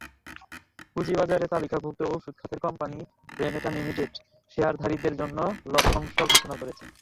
পুঁজিবাজারে তালিকাভুক্ত ওষুধ খাতের কোম্পানি রেনাটা লিমিটেড শেয়ারধারীদের জন্য লভ্যাংশ ঘোষণা করেছে।